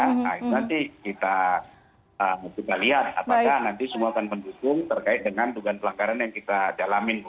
nah itu nanti kita lihat apakah nanti semua akan mendukung terkait dengan dugaan pelanggaran yang kita jalanin